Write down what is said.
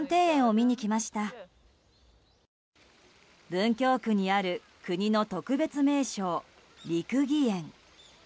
文京区にある国の特別名勝、六義園。